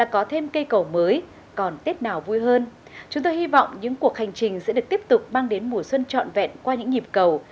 chúng tôi hy vọng những cuộc hành trình sẽ được tiếp tục mang đến mùa xuân trọn vẹn qua những nhịp cầu